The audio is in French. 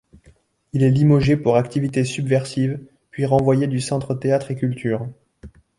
Il est limogé pour activités subversives puis renvoyé du centre Théâtre et Culture.